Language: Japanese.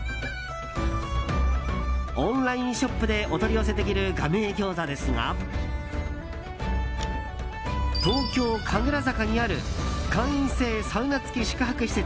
オンラインショップでお取り寄せできる雅梅餃子ですが東京・神楽坂にある会員制サウナ付き宿泊施設